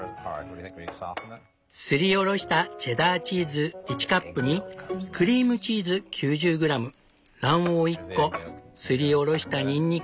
すりおろしたチェダーチーズ１カップにクリームチーズ９０グラム卵黄１個すりおろしたにんにく